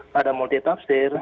pada multi tafsir